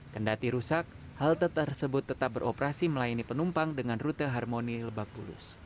kendati rusak halte tersebut tetap beroperasi melayani penumpang dengan rute harmoni lebak bulus